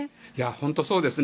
本当にそうですね。